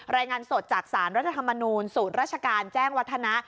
รายงานสดจากสารรัฐธรรมนูลศูนย์ราชการแจ้งวัฒนะ